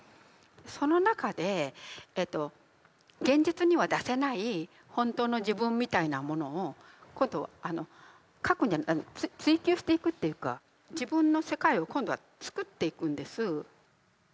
その中で現実には出せない本当の自分みたいなものを今度は書くんじゃない追求していくっていうか自分の世界を今度は作っていくんです。